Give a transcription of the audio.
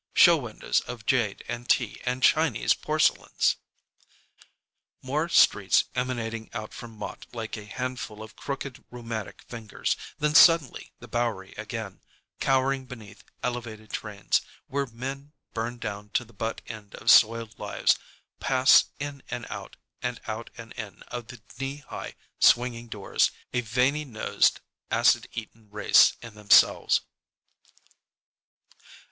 Show windows of jade and tea and Chinese porcelains. More streets emanating out from Mott like a handful of crooked rheumatic fingers, then suddenly the Bowery again, cowering beneath Elevated trains, where men burned down to the butt end of soiled lives pass in and out and out and in of the knee high swinging doors, a veiny nosed, acid eaten race in themselves.